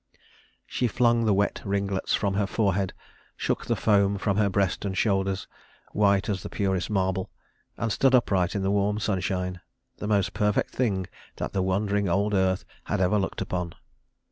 She flung the wet ringlets from her forehead, shook the foam from her breast and shoulders white as the purest marble and stood upright in the warm sunshine the most perfect thing that the wondering old earth had ever looked upon.